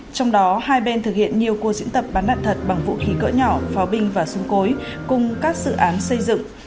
trong đó hai bên thực hiện nhiều cuộc diễn tập bắn đạn thật bằng vũ khí cỡ nhỏ pháo binh và súng cối cùng các dự án xây dựng